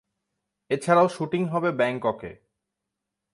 এছাড়াও শ্যুটিং হবে ব্যাংককে।